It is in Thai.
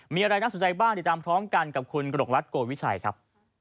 มีอะไรน่าสนใจบ้างติดตามพร้อมกันกับคุณกระดกรัฐโกวิชัยครับ